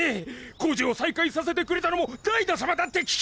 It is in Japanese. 工事を再開させてくれたのもダイダ様だって聞きました！